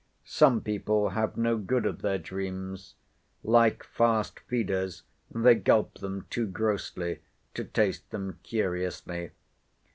Some people have no good of their dreams. Like fast feeders, they gulp them too grossly, to taste them curiously.